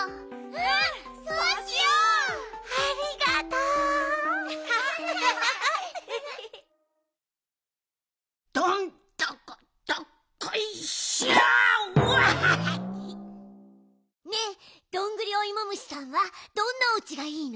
わあっ！ねえどんぐりおいも虫さんはどんなおうちがいいの？